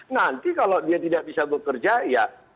nanti kalau dia tidak bisa bekerja ya